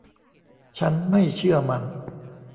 ฉันไม่เชื่อมัน